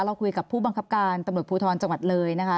เราคุยกับผู้บังคับการตำรวจภูทรจังหวัดเลยนะคะ